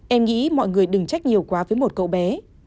em nghĩ mọi người đừng trách nhiều quá với một cậu bé